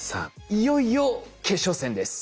いよいよ決勝戦です。